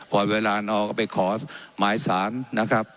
พอเวลานอกเขาย้อน